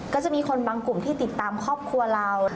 ก็จะมีคนบางกลุ่มที่ติดตามครอบครัวเรา